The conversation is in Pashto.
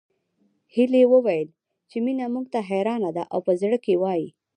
هيلې وويل چې مينه موږ ته حيرانه ده او په زړه کې وايي